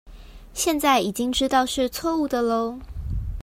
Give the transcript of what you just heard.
現在已經知道是錯誤的囉